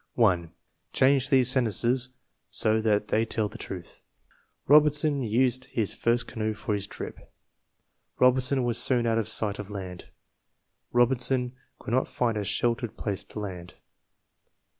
1. Change these sentences so that they tell the truth: Robinson used his first canoe for his trip. Robinson was soon out of sight of land. Robinson could not find a sheltered place to land.